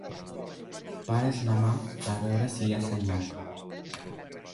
Pares la mà per veure si hi ha senyal.